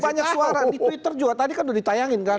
banyak suara di twitter juga tadi kan udah ditayangin kan